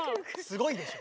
すごいでしょ？